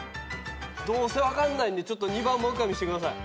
どうせ分かんないんでちょっと２番もう１回見せてください。